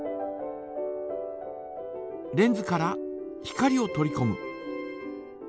レンズから光を取りこむ。